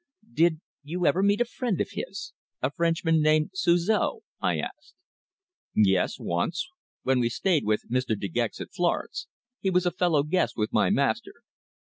"Did you ever meet a friend of his a Frenchman named Suzor?" I asked. "Yes, once. When we stayed with Mr. De Gex at Florence. He was a fellow guest with my master."